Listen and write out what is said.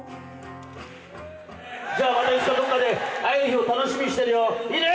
じゃあまたいつかどこかで、会える日を楽しみにしてるよ、いいね。